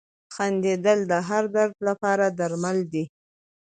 • خندېدل د هر درد لپاره درمل دي.